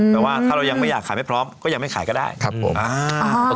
แต่ว่าถ้าเรายังไม่อยากขายไม่พร้อมก็ยังอย่างไม่ขายก็ได้